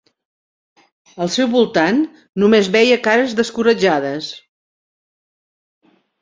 Al seu voltant només veia cares descoratjades.